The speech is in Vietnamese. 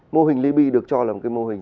mô hình ly bi được cho là một cái mô hình